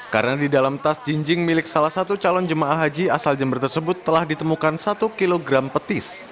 karena di dalam tas jinjing milik salah satu calon jemaah haji asal jember tersebut telah ditemukan satu kg petis